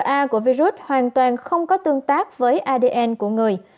mnra của virus hoàn toàn không có tương tác với adn của người